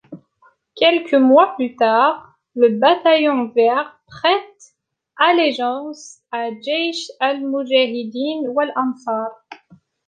Quelques mois plus tard le Bataillon Vert prête allégeance à Jaych al-Mouhajirine wal-Ansar.